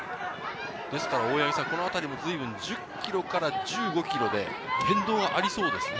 このあたりもずいぶん１０ｋｍから１５ｋｍで変動がありそうですね。